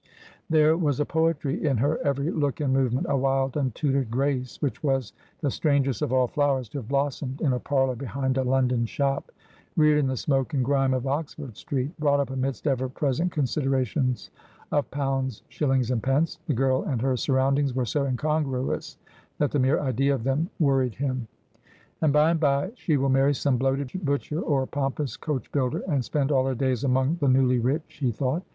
There was a poetry in her every look and movement, a wild untutored grace, which was the strangest of all flowers to have blossomed in a parlour behind a London shop. Reared in the smoke and grime of Oxford Street ! Brought up amidst ever present con siderations of pounds, shillings, and pence ! The girl and her surroundings were so incongruous that the mere idea of them worried him. ' And by and by she will marry some bloated butcher or poifl|)ous coach builder, and spend all her daj s among the newly rich,' he thought.